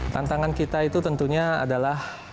tantangan kita itu tentunya adalah